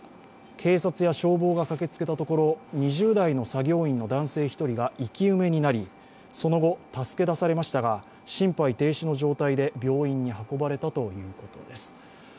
警察や消防が駆けつけたところ２０代の作業員の男性１人が生き埋めになり、その後助け出されましたが心肺停止の状態で病院に運ばれたということです。